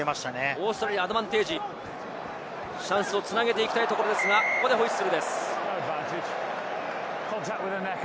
オーストラリアにアドバンテージ、チャンスを繋げていきたいところですが、ここでホイッスルです。